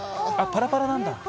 パラパラなんだ。